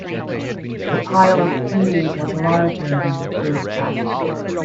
The pile of pennies was larger than the fruit basket.